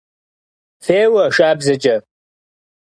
Феуэ шабзэкӏэ!